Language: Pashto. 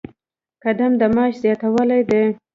قدم د معاش زیاتوالی دی